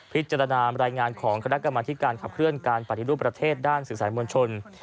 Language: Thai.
รายงานของคณะกรรมธิการขับเคลื่อนการปฏิรูปประเทศด้านสื่อสารมวลชน